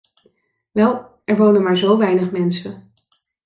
Wel, er wonen maar zo weinig mensen.